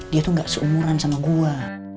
dia tuh enggak seumuran sama gua